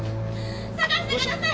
捜してください！